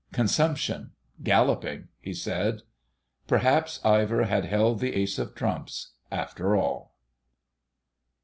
"Consumption—galloping," he said. Perhaps Ivor had held the Ace of Trumps after all.